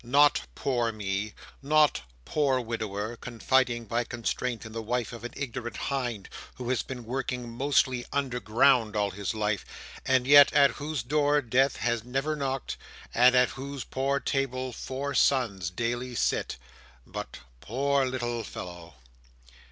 Not poor me. Not poor widower, confiding by constraint in the wife of an ignorant Hind who has been working "mostly underground" all his life, and yet at whose door Death had never knocked, and at whose poor table four sons daily sit—but poor little fellow!